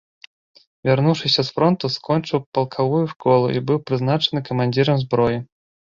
Вярнуўшыся з фронту, скончыў палкавую школу і быў прызначаны камандзірам зброі.